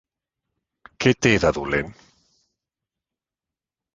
Què té de dolent?